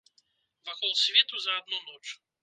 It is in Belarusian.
Вакол свету за адну ноч.